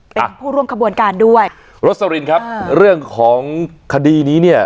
เป็นผู้ร่วมขบวนการด้วยโรสลินครับเรื่องของคดีนี้เนี่ย